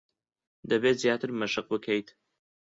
دەبێت زیاتر مەشق بکەیت.